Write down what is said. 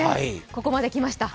ここまで来ました